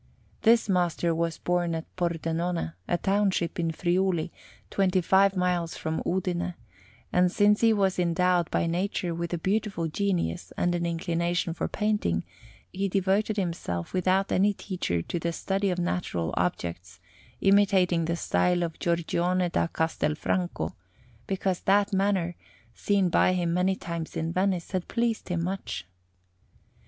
This master was born at Pordenone, a township in Friuli, twenty five miles from Udine; and since he was endowed by nature with a beautiful genius and an inclination for painting, he devoted himself without any teacher to the study of natural objects, imitating the style of Giorgione da Castelfranco, because that manner, seen by him many times in Venice, had pleased him much.